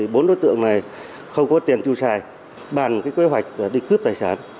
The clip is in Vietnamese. bốn đối tượng này không có tiền tiêu xài bàn kế hoạch đi cướp tài sản